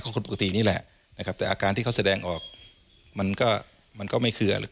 คนปกตินี่แหละนะครับแต่อาการที่เขาแสดงออกมันก็มันก็ไม่คืออะไร